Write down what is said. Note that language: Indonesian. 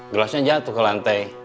gelasnya jatuh ke lantai